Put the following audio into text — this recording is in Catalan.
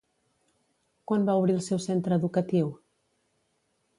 Quan va obrir el seu centre educatiu?